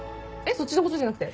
そっちのことじゃなくて？